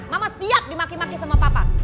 mama siap dimaki maki sama papa